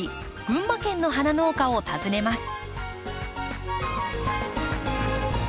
群馬県の花農家を訪ねます。